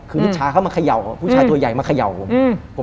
คือนิชาเขามาเขย่าผู้ชายตัวใหญ่มาเขย่าผม